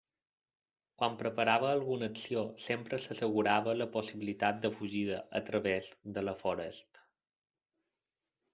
Quan preparava alguna acció sempre s'assegurava la possibilitat de fugida a través de la forest.